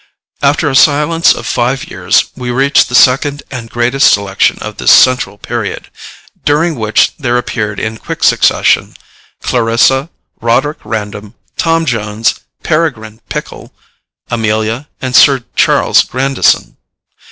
After a silence of five years we reach the second and greatest section of this central period, during which there appeared in quick succession Clarissa, Roderick Random, Tom Jones, Peregrine Pickle, Amelia, and Sir Charles Grandison.